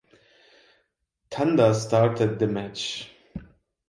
Tanda started the match.